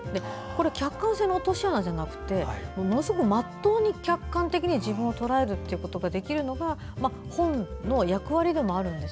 客観性の落とし穴じゃなくてものすごく真っ当に客観的に自分をとらえることができるのが本の役割でもあるんです。